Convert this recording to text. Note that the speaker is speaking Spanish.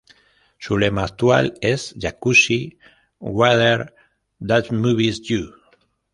Su lema actual es: "Jacuzzi: Water that moves you.